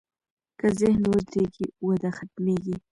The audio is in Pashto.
که ذهن ودرېږي، وده ختمېږي.